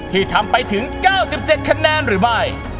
ที่ทำไปถึง๙๗คะแนนหรือไม่